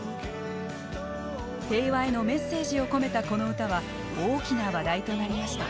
平和へのメッセージを込めたこの歌は大きな話題となりました。